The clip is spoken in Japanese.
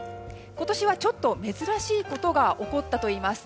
今年はちょっと珍しいことが起こったといいます。